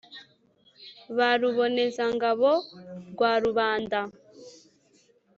ba ruboneza ngabo rwa rubanda